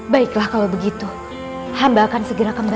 baiklah kalau begitu hamba akan segera kembali